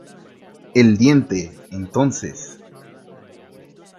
el diente. entonces